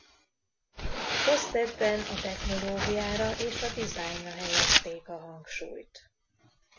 Kezdetben a technológiára és a dizájnra helyezték a hangsúlyt.